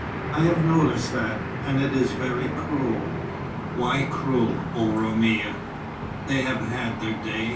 "I have noticed that, and it is very cruel." "Why cruel, oh Roumia? They have had their day.